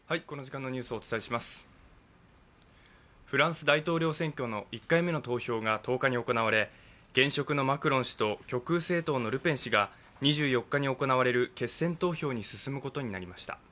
フランス大統領選挙の１回目の投票が１０日に行われ、現職のマクロン氏と極右政党のルペン氏が２４日に行われる決選投票に進むことになりました。